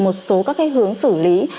một số các cái hướng xử lý